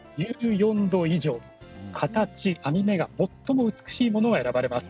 形網目が最も美しいものが選ばれます。